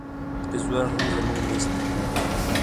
رضوان هم زموږ میز ته راغی.